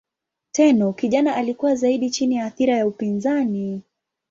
Tenno kijana alikuwa zaidi chini ya athira ya upinzani.